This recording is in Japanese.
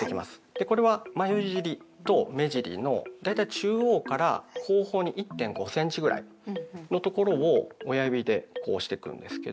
これは眉尻と目尻のだいたい中央から後方に１．５ｃｍぐらいのところを親指でこう押してくんですけど。